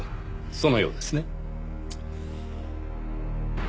そのようですね。